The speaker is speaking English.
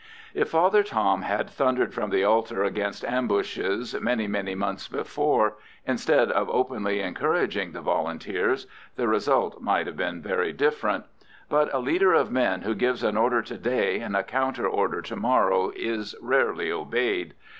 If Father Tom had thundered from the altar against ambushes many, many months before, instead of openly encouraging the Volunteers, the result might have been very different; but a leader of men who gives an order to day and a counter order to morrow is rarely obeyed.